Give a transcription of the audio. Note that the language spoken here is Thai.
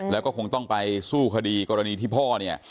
แล้วก็คงต้องไปสู้คดีกรณีที่พ่อเนี่ย